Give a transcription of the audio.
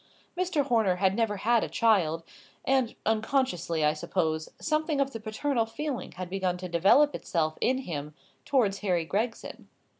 Mr. Horner had never had a child, and unconsciously, I suppose, something of the paternal feeling had begun to develop itself in him towards Harry Gregson.